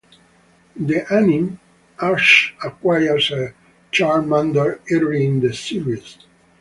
In the anime, Ash acquires a Charmander early in the series.